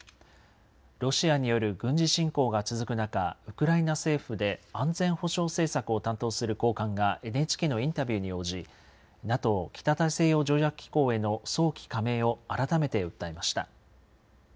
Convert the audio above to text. ロシアによる軍事侵攻が続く中、ウクライナ政府で安全保障政策を担当する高官がＮＨＫのインタビューに応じ、ＮＡＴＯ・北大西洋条約機構への早期加盟を改めて訴えました。